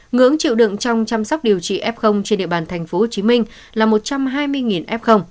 ngưỡng chịu đựng trong chăm sóc điều trị f trên địa bàn thành phố hồ chí minh là một trăm hai mươi f